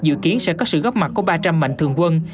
dự kiến sẽ có sự góp mặt của ba trăm linh mạnh thường quân